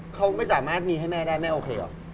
เขาก็จะบ้านมาให้แม่ได้แม่โอเคหรอ